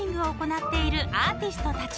［アーティストたち］